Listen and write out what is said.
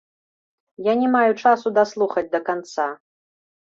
Я не маю часу даслухаць да канца.